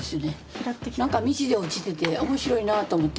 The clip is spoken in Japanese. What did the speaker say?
何か道で落ちてて面白いなと思って。